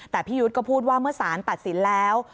แต่พี่ยุทธ์ก็พูดว่าเมื่อสารตัดสินแล้ว